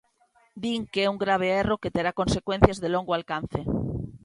Din que é un grave erro que terá consecuencias de longo alcance.